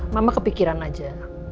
mama kepikiran aja